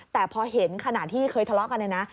แต่พอเห็นขณะที่เคยทะเลาะกันเนี่ยนะ